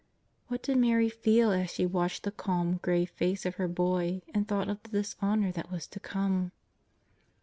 What did Mary feel as she watched the calm, grave face of her Boy and thought of the dishon our that was to come